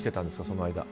その間。